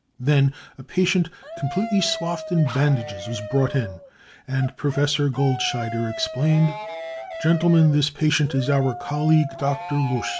Then a patient completely swaged in bandages was brought in, and Professor Goldscheider explained : 4 Gentlemen, this patient is ^ our colleague Dr. Lust.